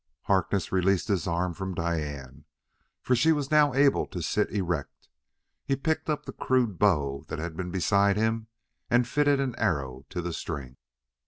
Harkness released his arms from Diane, for she was now able to sit erect. He picked up the crude bow that had been beside him and fitted an arrow to the string.